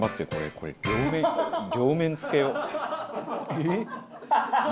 えっ！